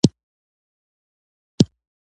د انحصارګري روحیه ورباندې غالبه ده.